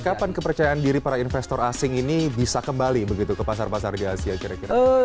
kapan kepercayaan diri para investor asing ini bisa kembali begitu ke pasar pasar di asia kira kira